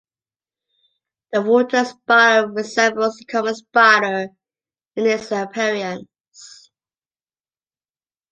The water-spider resembles the common spider in its appearance.